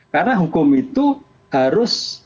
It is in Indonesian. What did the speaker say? karena hukum itu harus